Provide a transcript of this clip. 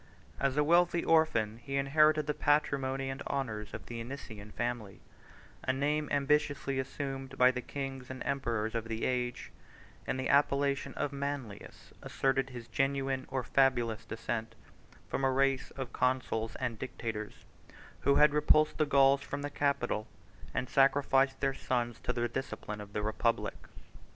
As a wealthy orphan, he inherited the patrimony and honors of the Anician family, a name ambitiously assumed by the kings and emperors of the age; and the appellation of Manlius asserted his genuine or fabulous descent from a race of consuls and dictators, who had repulsed the Gauls from the Capitol, and sacrificed their sons to the discipline of the republic.